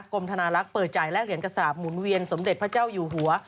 ธนาลักษณ์เปิดจ่ายแลกเหรียญกระสาปหมุนเวียนสมเด็จพระเจ้าอยู่หัว